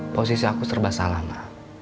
posisi aku serba salah ma